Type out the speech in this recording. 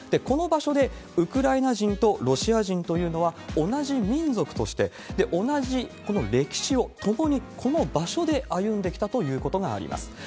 この場所で、ウクライナ人とロシア人というのは同じ民族として、同じ歴史を共にこの場所で歩んできたということがあります。